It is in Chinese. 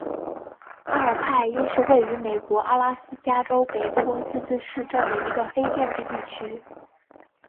阿尔派因是位于美国阿拉斯加州北坡自治市镇的一个非建制地区。